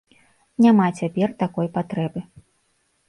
Няма цяпер такой патрэбы.